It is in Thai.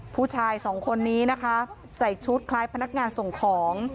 ผู้ชายสองคนนี้นะคะใส่ชุดคล้ายพนักงานส่งของ